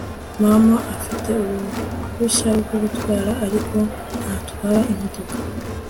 mama afite uruhushya rwo gutwara, ariko ntatwara imodoka